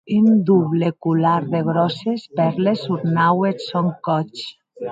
Un doble colar de gròsses pèrles ornaue eth sòn còth.